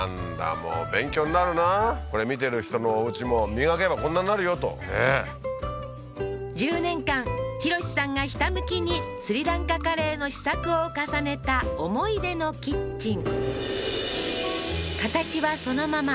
もう勉強になるなこれ見てる人のおうちも磨けばこんなになるよとねえ１０年間浩さんがひたむきにスリランカカレーの試作を重ねた思い出のキッチン形はそのまま